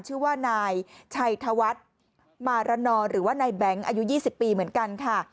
ชื่อว่านายชัยธวัฒน์มารนอหรือว่านายแบงค์อายุ๒๐ปีเหมือนกันค่ะ